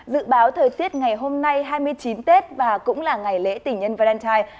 dự báo thời tiết ngày hôm nay hai mươi chín tết và cũng là ngày lễ tình nhân valentine